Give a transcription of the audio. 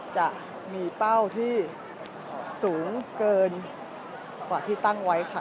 จะมีเป้าที่สูงเกินกว่าที่ตั้งไว้ค่ะ